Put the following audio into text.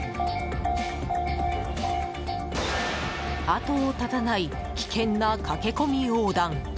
後を絶たない危険な駆け込み横断。